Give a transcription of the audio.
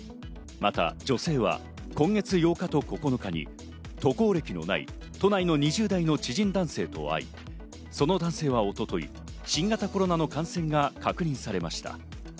また女性は今月８日と９日に渡航歴のない都内の知人男性と会い、その男性は一昨日、新型コロナの感染が確認されました。